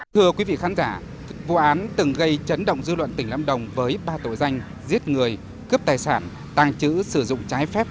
thưa quý vị khán giả vụ án từng gây chấn động dư luận tỉnh lâm đồng với ba tội danh giết người cướp tài sản tàng trữ sử dụng trái phép